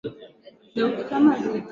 Kwa kweli niko wako